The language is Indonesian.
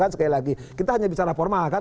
sekali lagi kita hanya bicara formal kan